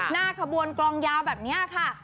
หน้าขบวนกลองยาวแบบนี้ค่ะ